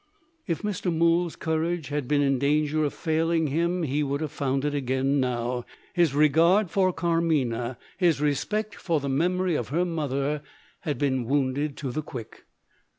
If Mr. Mool's courage had been in danger of failing him, he would have found it again now His regard for Carmina, his respect for the memory of her mother, had been wounded to the quick.